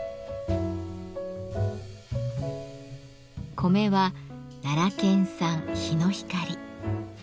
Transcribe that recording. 米は奈良県産ヒノヒカリ。